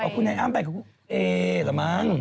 คุณไอ้อ้ำไปกับคุณเอเหรอมั้ง